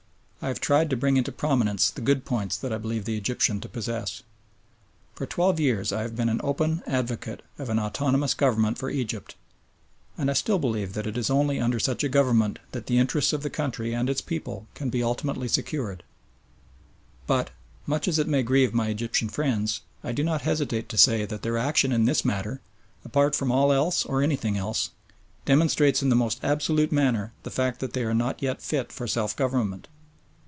I have tried to bring into prominence the good points that I believe the Egyptian to possess. For twelve years I have been an open advocate of an autonomous government for Egypt, and I still believe that it is only under such a government that the interests of the country and its people can be ultimately secured, but, much as it may grieve my Egyptian friends, I do not hesitate to say that their action in this matter, apart from all else or anything else, demonstrates in the most absolute manner the fact that they are not yet fit for self government.